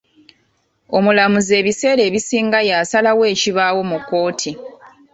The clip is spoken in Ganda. Omulamuzi ebiseera ebisinga y'asalawo ekibaawo mu kkooti.